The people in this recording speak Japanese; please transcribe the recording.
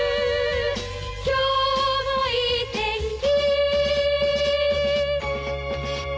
「今日もいい天気」